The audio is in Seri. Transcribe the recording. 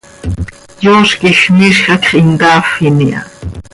Yooz quij miizj hacx him caafin iha.